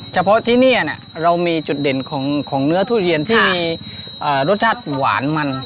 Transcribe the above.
เฉพาะที่นี่เรามีจุดเด่นของเนื้อทุเรียนที่มีรสชาติหวานมัน